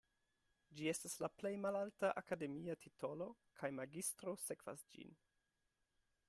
Ĝi estas la plej malalta akademia titolo kaj magistro sekvas ĝin.